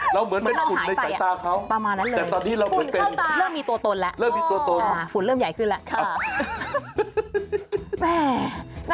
เราเหมือนเป็นฝุ่นในสายตาเขาประมาณนั้นเลยฝุ่นเข้าตาเริ่มมีตัวตนแล้วฝุ่นเริ่มใหญ่ขึ้นแล้วค่ะ